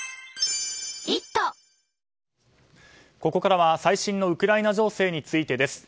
ここからは最新のウクライナ情勢についてです。